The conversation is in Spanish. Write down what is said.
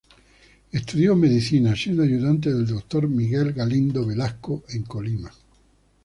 Estudió medicina siendo ayudante del doctor Miguel Galindo Velasco en Colima.